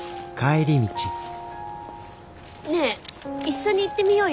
ねえ一緒に行ってみようよ。